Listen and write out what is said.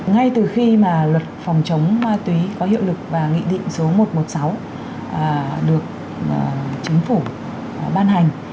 ngay từ khi mà luật phòng chống ma túy có hiệu lực và nghị định số một trăm một mươi sáu được chính phủ ban hành